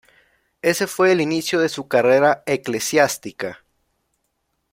Ese fue el inicio de su carrera eclesiástica.